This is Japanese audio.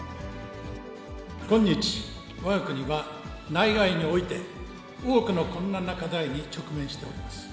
今日、わが国は内外において、多くの困難な課題に直面しております。